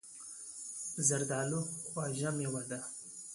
زردالو خوږه مېوه ده.